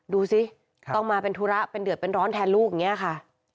ดูสิต้องมาเป็นธุระเป็นเดือดเป็นร้อนแทนลูกอย่างนี้ค่ะ